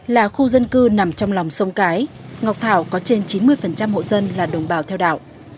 là khu dân cư nằm trong lòng sông cái ngọc thảo có trên chín mươi hộ dân là đồng bào theo đạo